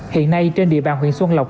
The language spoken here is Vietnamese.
hiện nay trên địa bàn huyện xuân lộc